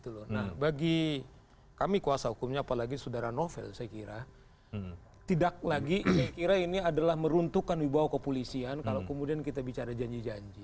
nah bagi kami kuasa hukumnya apalagi saudara novel saya kira tidak lagi saya kira ini adalah meruntuhkan wibawa kepolisian kalau kemudian kita bicara janji janji